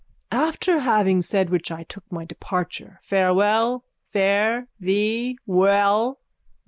_ After having said which I took my departure. Farewell. Fare thee well.